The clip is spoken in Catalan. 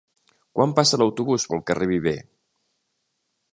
Quan passa l'autobús pel carrer Viver?